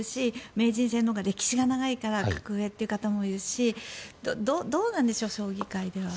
名人戦のほうが歴史が長いから格上って方もいるしどうなんでしょう将棋界では。